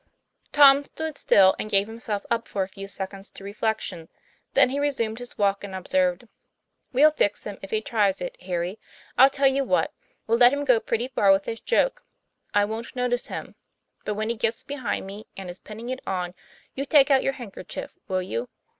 Tom stood still, and gave himself up for a few sec onds to reflection; then he resumed his walk and observed :" We'll fix him, if he tries it, Harry. I'll tell you what: we'll let him go pretty far with his joke. I wont notice him. But when he gets behind me, and is pinning it on, you take out your handkerchief will you?